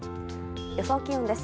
予想気温です。